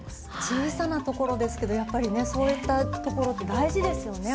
小さなところですけどやっぱりねそういったところって大事ですよね